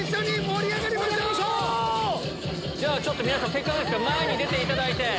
せっかくですから前に出ていただいて。